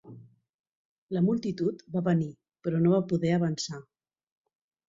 La multitud va venir, però no va poder avançar.